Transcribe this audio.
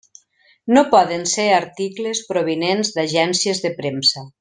No poden ser articles provinents d'agències de premsa.